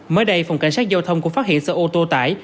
mới đây phòng cảnh sát giao thông cũng phát hiện xe ô tô tải